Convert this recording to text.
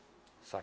あ。